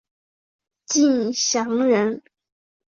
敬翔人。